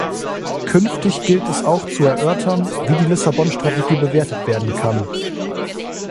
Künftig gilt es auch zu erörtern, wie die Lissabon-Strategie bewertet werden kann.